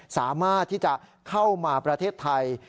สามารถที่จะเข้ามาประเทศไทย